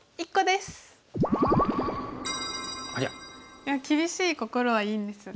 いや厳しい心はいいんですが。